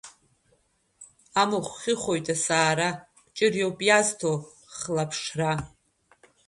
Амахә хьыхәоит асаара, Кәҷыр иауп иазҭо хлаԥшра!